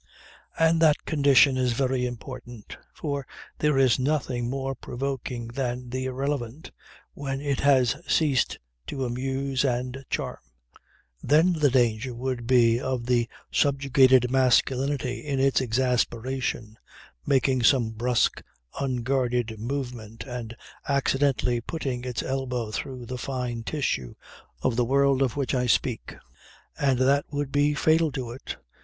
And that condition is very important. For there is nothing more provoking than the Irrelevant when it has ceased to amuse and charm; and then the danger would be of the subjugated masculinity in its exasperation, making some brusque, unguarded movement and accidentally putting its elbow through the fine tissue of the world of which I speak. And that would be fatal to it.